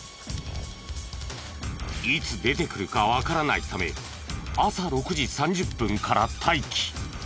いつ出てくるかわからないため朝６時３０分から待機。